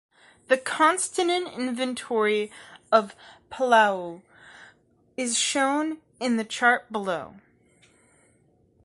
The consonant inventory of Palula is shown in the chart below.